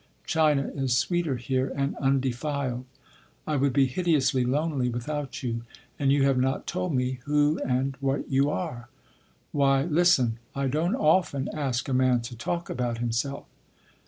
China is sweeter here and undefiled. I would be hideously lonely without you—and you have not told me who and what you are. Why, listen, I don’t often ask a man to talk about himself."